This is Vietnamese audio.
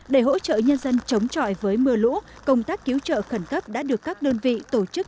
để hỗ trợ nhân dân chống chọi với mưa lũ công tác cứu trợ khẩn cấp đã được các đơn vị tổ chức